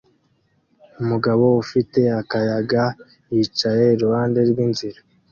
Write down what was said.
Umugabo ufite akayaga yicaye iruhande rw'inzira